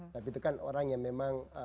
tapi itu kan orang yang memang